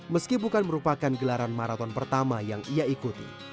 meski bukan merupakan gelaran maraton pertama yang ia ikuti